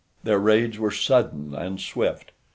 Their raids were sudden and swift.